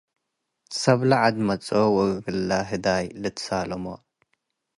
ሰብለ ዐድ መጽኦ ወእግለ ህዳይ ልትሳለሞ ።